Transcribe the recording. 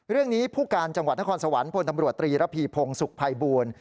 เรื่องนี้ผู้การจังหวัดนครสวรรค์พลตำรวจตรีระพี่พงศ์สุขภัยบูรณ์